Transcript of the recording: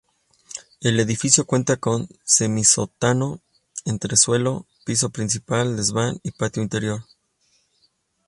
El edificio cuenta con semisótano, entresuelo, piso principal, desván y patio interior.